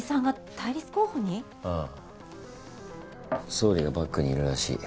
総理がバックにいるらしい。